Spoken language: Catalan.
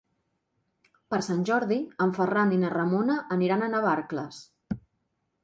Per Sant Jordi en Ferran i na Ramona aniran a Navarcles.